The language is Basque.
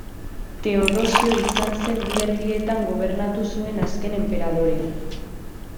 Teodosio izan zen bi erdietan gobernatu zuen azken enperadorea.